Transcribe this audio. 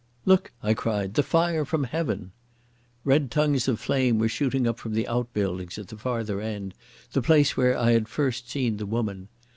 "Look," I cried. "The fire from heaven!" Red tongues of flame were shooting up from the out buildings at the farther end, the place where I had first seen the woman.